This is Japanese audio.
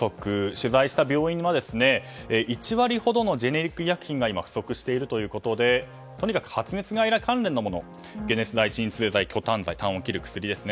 取材した病院は１割ほどのジェネリック医薬品が今、不足しているということでとにかく発熱外来関連のもの解熱剤、鎮痛剤去痰剤、たんを切る薬ですね。